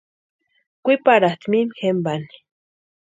Kwiparhatʼi mimi jempani.